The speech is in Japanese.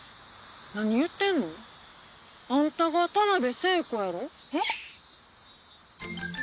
何言うてんの？あんたが田辺聖子やろ？え？